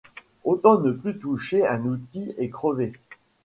Autant ne plus toucher un outil et crever !